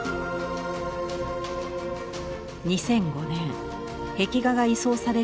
２００５年壁画が移送される